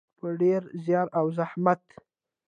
په ډیر زیار او زحمت.